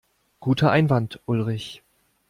Guter Einwand, Ulrich.